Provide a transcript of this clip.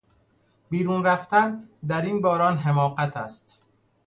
بیرون رفتن در این باران حماقت است.